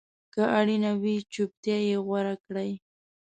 که اړینه وي، چپتیا غوره کړئ.